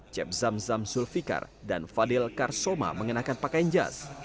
jeb zamzam zulfikar dan fadil karsoma mengenakan pakaian jas